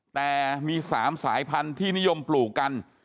แต่มี๓สายพันธุ์ที่นิยมปลูกกัน